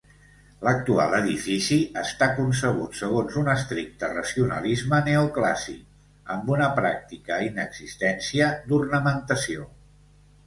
L'actual edifici està concebut segons un estricte racionalisme neoclàssic, amb una pràctica inexistència d'ornamentació.